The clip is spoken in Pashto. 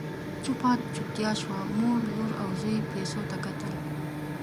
چوپه چوپتيا شوه، مور، لور او زوی پيسو ته کتل…